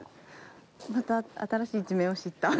また新しい一面を知った。